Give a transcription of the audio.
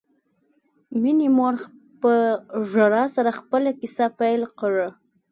مينې مور په ژړا سره خپله کیسه پیل کړه